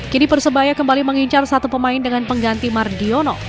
kini persebaya kembali mengincar satu pemain dengan pengganti mardiono